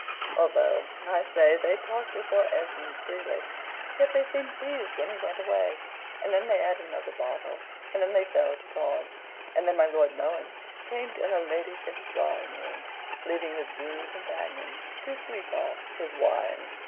although, I say, they talked before Esmond freely, yet they seemed pleased when he went away, and then they had another bottle, and then they fell to cards, and then my Lord Mohun came to her ladyship's drawing room; leaving his boon companion to sleep off his wine.